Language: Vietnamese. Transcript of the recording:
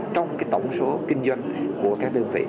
trong tổng số kinh doanh của các đơn vị